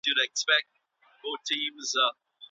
څنګه د موخي لپاره د اړتیا احساس د کار انرژي زیاتوي؟